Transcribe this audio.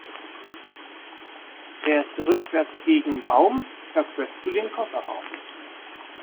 Fährste rückwärts gegen Baum, verkürzt du den Kofferraum.